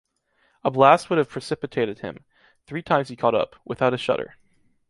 A blast would have precipitated him, three times he caught up, without a shudder.